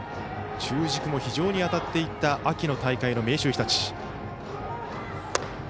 中軸も非常に当たっていた秋の大会の明秀日立。